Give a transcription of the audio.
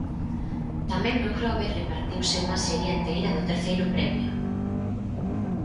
Tamén no Grove repartiuse unha serie enteira do terceiro premio.